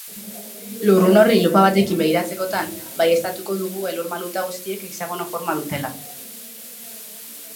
Lurrun horri lupa batekin begiratzekotan, baieztatuko dugu elur-maluta guztiek hexagono forma dutela.